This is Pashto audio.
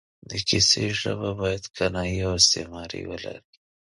د کیسې ژبه باید کنایې او استعارې ولري.